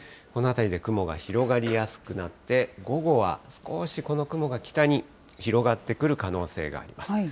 この辺りで雲が広がりやすくなって、午後は少しこの雲が北に広がってくる可能性があります。